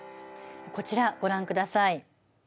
こちらご覧ください。